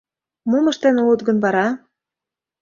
Мом ыштен улыт гын вара?